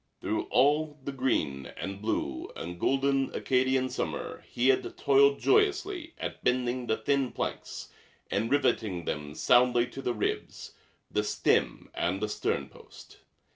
Through all the green and blue and golden Acadian summer he had toiled joyously at bending the thin planks and riveting them soundly to the ribs, the stem and the sternpost.